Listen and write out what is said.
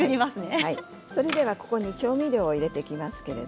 ここに調味料を入れていきます。